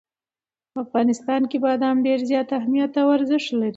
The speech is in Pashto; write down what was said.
په افغانستان کې بادام ډېر زیات اهمیت او ارزښت لري.